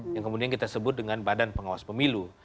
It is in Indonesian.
yang kemudian kita sebut dengan badan pengawas pemilu